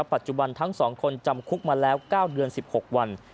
ปัจจุบันทั้ง๒คนจำคุกมาแล้ว๙เดือน๑๖วัน